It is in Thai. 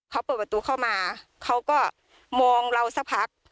เขาเปิดประตูเข้ามาเขาก็มองเราสักพัก